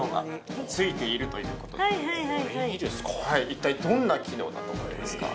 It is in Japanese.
一体どんな機能だと思いますか？